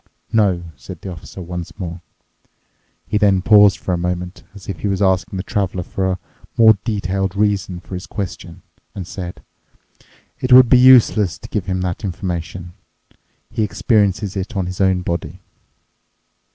"No," said the Officer once more. He then paused for a moment, as if he was asking the Traveler for a more detailed reason for his question, and said, "It would be useless to give him that information. He experiences it on his own body."